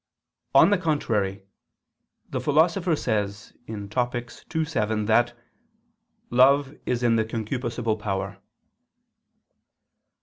On the contrary, The Philosopher says (Topic. ii, 7) that "love is in the concupiscible power."